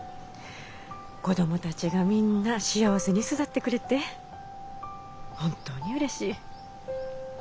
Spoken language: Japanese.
子供たちがみんな幸せに巣立ってくれて本当にうれしい。